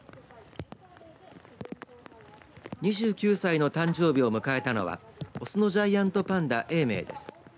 ２９歳の誕生日を迎えたのはオスのジャイアントパンダ永明です。